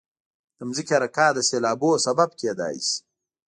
د ځمکې حرکات د سیلابونو سبب کېدای شي.